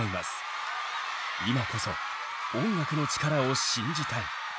今こそ音楽の力を信じたい。